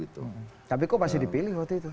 tapi kok masih dipilih waktu itu